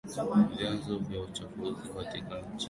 vyanzo vya uchafuzi katika nchi nyingi za Ulaya pamoja na Marekani